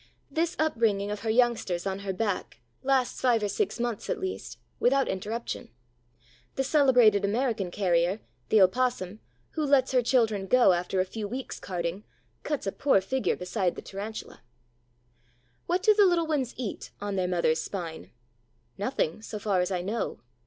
This upbringing of her youngsters on her back lasts five or six months at least, without interruption. The celebrated American carrier, the Opossum, who lets her children go after a few weeks' carting, cuts a poor figure beside the Tarantula. [Illustration: "Does she help them to regain their place on her back?"] What do the little ones eat on their mother's spine? Nothing, so far as I know.